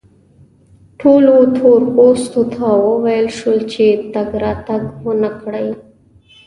ټولو تور پوستو ته وویل شول چې تګ راتګ و نه کړي.